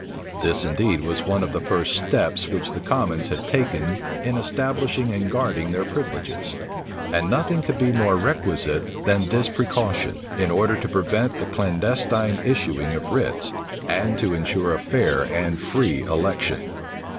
This indeed was one of the first steps which the commons had taken in establishing and guarding their privileges; and nothing could be more requisite than this precaution, in order to prevent the clandestine issuing of writs, and to insure a fair and free election.